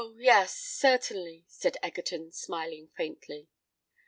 yes—certainly," said Egerton, smiling faintly.